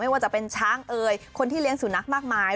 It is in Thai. แม้ว่าจะเป็นช้างเอยคนที่เรียนสู่นักมากมาย